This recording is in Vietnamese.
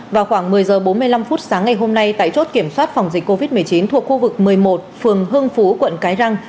vào khoảng một mươi h bốn mươi năm phút sáng ngày hôm nay tại chốt kiểm soát phòng dịch covid một mươi chín thuộc khu vực một mươi một phường hưng phú quận cái răng